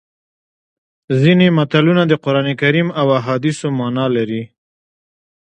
ځینې متلونه د قرانکریم او احادیثو مانا لري